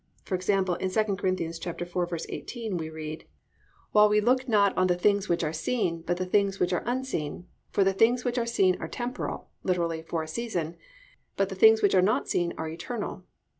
For example, in 2 Cor. 4:18 we read, +"While we look not on the things which are seen, but the things which are unseen: for the things which are seen are temporal+ (literally, for a season); +but the things which are not seen are eternal."